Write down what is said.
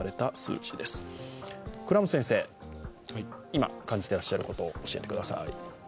今、感じてらっしゃること、教えてください。